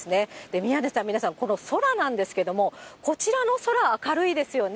宮根さん、皆さん、この空なんですけども、こちらの空、明るいですよね。